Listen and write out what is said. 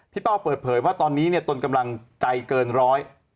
เป้าเปิดเผยว่าตอนนี้เนี่ยตนกำลังใจเกินร้อย